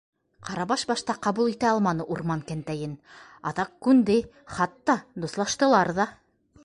Ҡарабаш башта ҡабул итә алманы урман кәнтәйен, аҙаҡ күнде, хатта дуҫлаштылар ҙа.